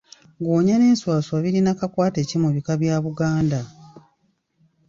Ggoonya n’enswaswa birina kakwate ki mu bika bya Buganda?